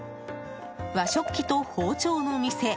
和食器と包丁の店